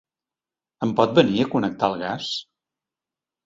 Em pot venir a connectar el gas?